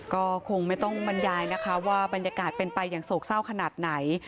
ก็คงไม่ต้องบรรยายนะคะว่าบรรยากาศเป็นไปอย่างโศกเศร้าขนาดไหน